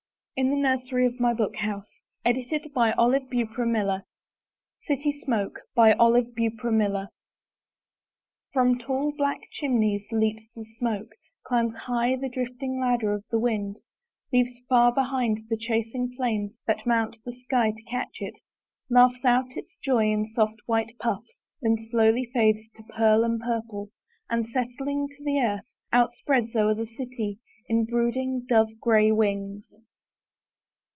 WeUl have another happy day like this next year!" 416 IN THE NURSERY CITY SMOKE From tall black chimneys leaps the smoke; Climbs high the drifting ladder ^ of the wind; Leaves far behind the chasing flames that mount the sky to catch Laughs out its joy in soft white puffs; Then slowly fades to pearl and purple, And, settling to the earth, Outspreads o'er all the city Its brooding, dove gray wings!